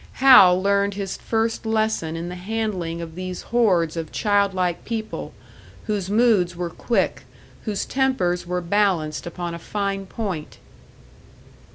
Hal learned his first lesson in the handling of these hordes of child like people, whose moods were quick, whose tempers were balanced upon a fine point.